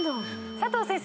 佐藤先生。